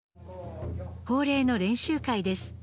恒例の練習会です。